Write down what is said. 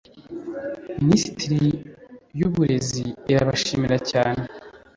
minisiteri y'uburezi irabashimira cyane